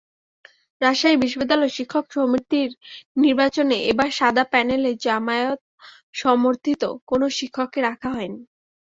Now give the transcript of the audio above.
রাজশাহী বিশ্ববিদ্যালয়ের শিক্ষক সমিতির নির্বাচনে এবার সাদা প্যানেলে জামায়াত-সমর্থিত কোনো শিক্ষককে রাখা হয়নি।